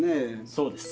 そうです。